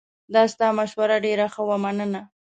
د تا مشوره ډېره ښه وه، مننه